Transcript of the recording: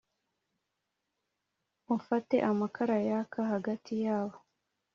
Ufate amakara yaka hagati yabo